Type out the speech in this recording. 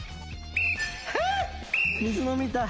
水飲みたい。